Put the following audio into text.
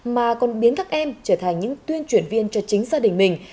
mà còn biến các em trở thành những tuyên truyền viên cho chính gia đình mình